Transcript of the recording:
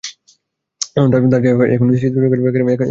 তার চেয়ে বরং শীতে ঠোঁট সুরক্ষিত রাখতে এখন থেকেই শুরু হোক পরিচর্যা।